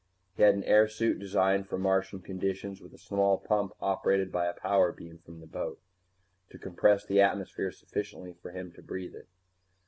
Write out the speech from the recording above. He had an airsuit designed for Martian conditions, with a small pump operated by a power beam from the boat to compress the atmosphere sufficiently for him to breathe it.